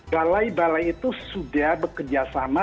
balai balai itu sudah bekerjasama